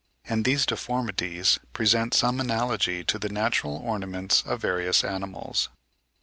and these deformities present some analogy to the natural ornaments of various animals.